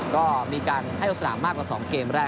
ก็มีการให้ลงสนามมากกว่า๒เกมแรก